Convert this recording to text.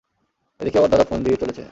এদিকে আবার দাদা ফোন দিয়েই চলেছে।